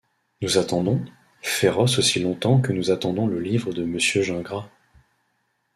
Nous attendons… féroce aussi longtemps que nous attendons le livre de Mr Gingras.